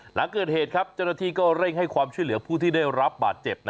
หลังเกิดเหตุครับเจ้าหน้าที่ก็เร่งให้ความช่วยเหลือผู้ที่ได้รับบาดเจ็บ